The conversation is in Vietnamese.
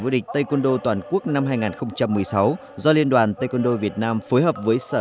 vô địch taekwondo toàn quốc năm hai nghìn một mươi sáu do liên đoàn taekwondo việt nam phối hợp với sở